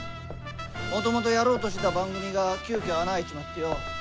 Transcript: もともとやろうとしてた番組が急きょ穴開いちまってよ。